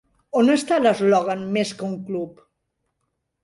On està l'eslògan Més que un club?